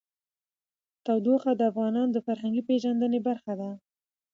تودوخه د افغانانو د فرهنګي پیژندنې برخه ده.